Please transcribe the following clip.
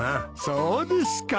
そうですか。